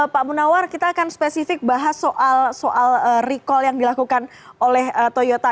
pak munawar kita akan spesifik bahas soal recall yang dilakukan oleh toyota